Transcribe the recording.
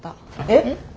えっ。